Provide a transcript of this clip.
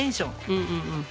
うんうんうん。